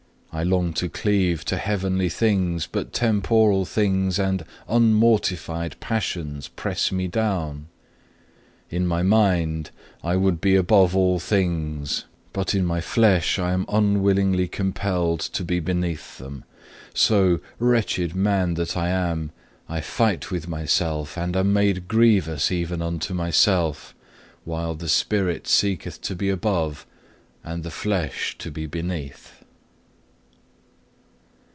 I long to cleave to heavenly things, but temporal things and unmortified passions press me down. In my mind I would be above all things, but in my flesh I am unwillingly compelled to be beneath them. So, wretched man that I am, I fight with myself, and am made grievous even unto myself, while the spirit seeketh to be above and the flesh to be beneath.